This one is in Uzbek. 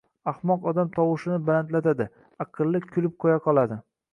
Ahmoq odam tovushini balandlatadi, aqlli kulib qoʻya qoladi